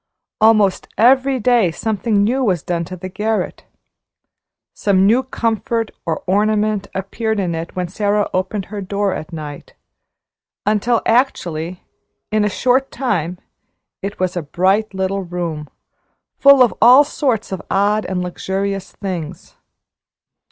Almost every day something new was done to the garret. Some new comfort or ornament appeared in it when Sara opened her door at night, until actually, in a short time it was a bright little room, full of all sorts of odd and luxurious things.